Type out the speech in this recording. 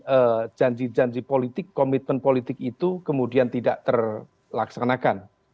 jangan sampai kemudian janji janji politik komitmen politik itu kemudian tidak terlaksanakan